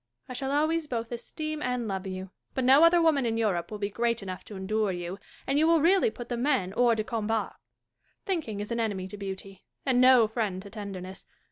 I shall always both esteem and love you ; but no other woman in Europe will be great enough to endure you, and you will really put the men hors de combat. Thinking is an enemy to beauty, and no friend to tenderness.